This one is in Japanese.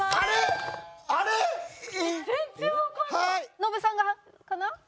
ノブさんがかな？